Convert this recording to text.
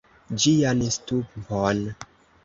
ĝian stumpon.